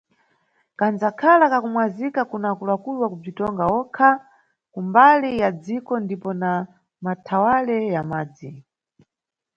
Kandzakhala kakumwazika kuna akulu-akulu wa kubzitonga okha kumbali ya dziko ndipo na mathawale ya madzi.